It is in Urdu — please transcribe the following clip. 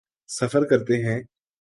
سفر کرتے ہیں۔